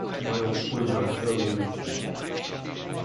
Mają wpływ na zdrowie ludzi